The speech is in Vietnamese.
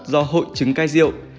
do hội chứng cai rượu